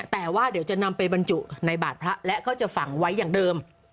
แต่ว่าเดี๋ยวจะนำไปบรรจุในบาทพระและก็จะฝังไว้อย่างเดิม